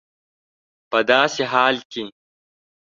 په داسي حال کي